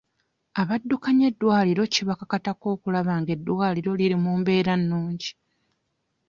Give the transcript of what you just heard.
Abaddukanya eddwaliro kibakakatako okulaba ng'eddwaliro liri mu mbeera nnungi.